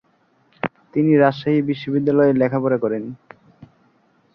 তিনি রাজশাহী বিশ্ববিদ্যালয়ে লেখাপড়া করেন।